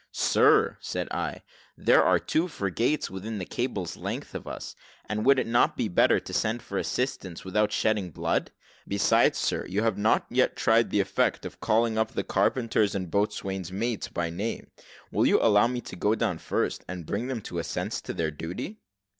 "Sir," said I, "there are two frigates within a cable's length of us; and would it not be better to send for assistance, without shedding blood? Besides, sir, you have not yet tried the effect of calling up the carpenter's and boatswain's mates by name. Will you allow me to go down first, and bring them to a sense of their duty?"